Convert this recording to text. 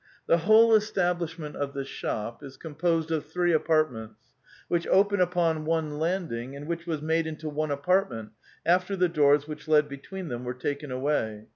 The whole establishment of the shop is composed of three apartments, which open upon one landing and which was made into one apartment after the doors which led between them were taken away.